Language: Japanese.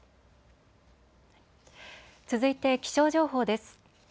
続いて気象情報です。